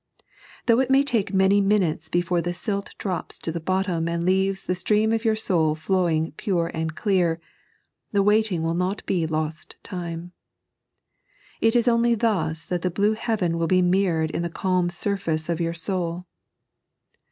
Though it may take many minutes before the silt drops to the bottom and leaves the stream of your soul flowing pure and clear, the waiting will not be lost time ; it is only thus that the blue heaven will be mirrored in the calm surface of your soul.